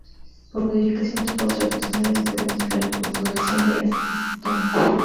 Por modificaciones post-traduccionales se puede modificar la configuración de las histonas.